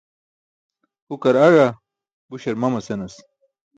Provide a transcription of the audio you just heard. Hukar aẏa, buśar mama senas.